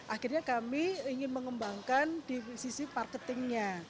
akhirnya kami ingin mengembangkan di sisi marketingnya